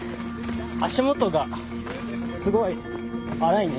足元がすごい荒いね。